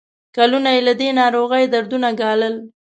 کلونه یې له دې ناروغۍ دردونه ګالل.